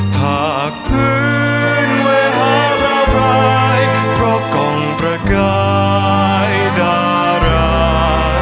ผากพื้นเวทาพราพรายประกองประกายดารา